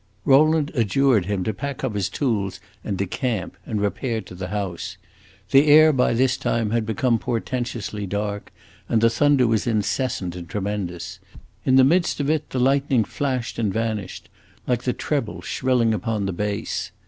Rowland adjured him to pack up his tools and decamp, and repaired to the house. The air by this time had become portentously dark, and the thunder was incessant and tremendous; in the midst of it the lightning flashed and vanished, like the treble shrilling upon the bass.